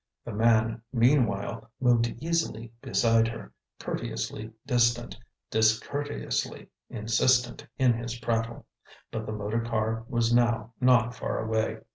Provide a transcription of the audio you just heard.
The man, meanwhile, moved easily beside her, courteously distant, discourteously insistent in his prattle. But the motor car was now not far away.